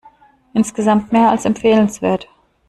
Insgesamt mehr als empfehlenswert.